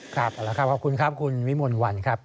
ครับขอบคุณครับคุณวิมวลวันครับ